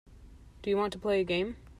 Do you want to play a game.